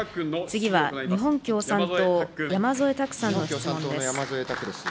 次は日本共産党、山添拓さんの質問です。